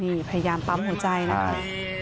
นี่พยายามปั๊มหัวใจนะคะ